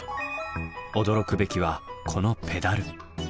驚くべきはこのペダル。